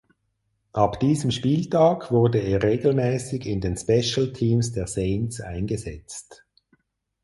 Ab diesem Spieltag wurde er regelmäßig in den Special Teams der Saints eingesetzt.